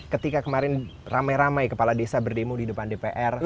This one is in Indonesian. ketika kemarin ramai ramai kepala desa berdemo di depan dpr